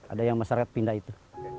ada yang masyarakat pindah itu